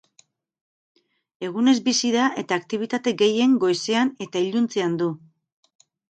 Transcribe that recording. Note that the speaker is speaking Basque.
Egunez bizi da eta aktibitate gehien goizean eta iluntzean du.